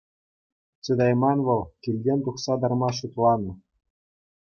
Чӑтайман вӑл, килтен тухса тарма шутланӑ.